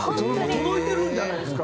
届いてるんじゃないですか？